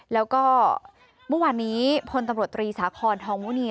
แล้วก็เมื่อวานนี้พลตำรวจตรีสาคอนทองมุนี